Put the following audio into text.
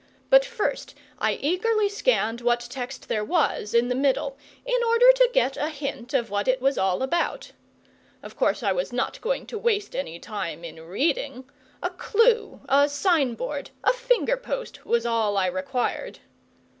But first I eagerly scanned what text there was in the middle, in order to get a hint of what it was all about. Of course I was not going to waste any time in reading. A clue, a sign board, a finger post was all I required.